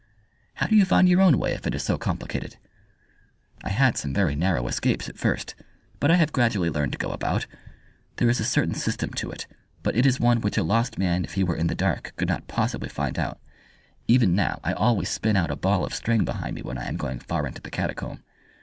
"How do you find your own way if it is so complicated?" "I had some very narrow escapes at first, but I have gradually learned to go about. There is a certain system to it, but it is one which a lost man, if he were in the dark, could not possibly find out. Even now I always spin out a ball of string behind me when I am going far into the catacomb.